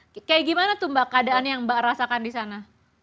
bagaimana tuh mbak keadaan yang mbak rasakan di sana